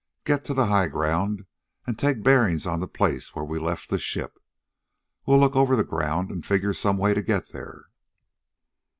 Get to the high ground, take bearings on the place where we left the ship. We'll look over the ground and figure some way to get there."